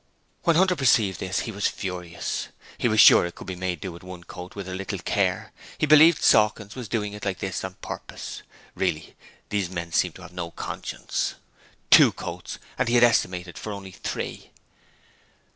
When Hunter perceived this he was furious. He was sure it could be made to do with one coat with a little care; he believed Sawkins was doing it like this on purpose. Really, these men seemed to have no conscience. Two coats! and he had estimated for only three.